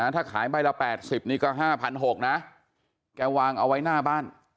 ถ้าขายใบละ๘๐นี่ก็๕๖๐๐นะแกวางเอาไว้หน้าบ้าน